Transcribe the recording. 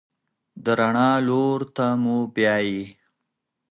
د رڼا لور ته مو بیايي.